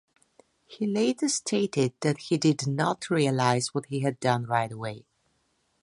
He later stated that he did not realize what he had done right away.